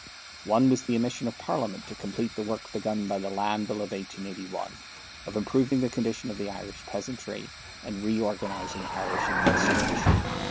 One was the omission of Parliament to complete the work begun by the Land Bill of 1881, of improving the condition of the Irish peasantry and reorganizing Irish administration.